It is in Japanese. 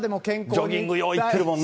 ジョギング、よう行ってるもんな。